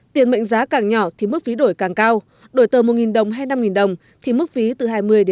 tiền mệnh giá càng nhỏ thì mức phí đổi càng cao đổi tờ một đồng hay năm đồng thì mức phí từ hai mươi năm mươi